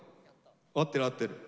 合ってる合ってる。